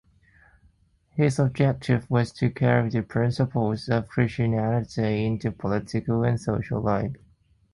His objective was "to carry the principles of Christianity into political and social life".